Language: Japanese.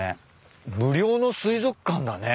無料の水族館だね。